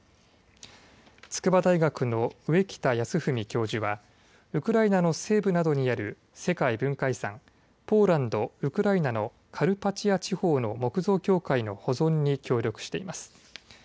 筑波大学の上北恭史教授はウクライナの西部などにある世界文化遺産、ポーランド、ウクライナのカルパチア地方の木造教会の保存に協力しています。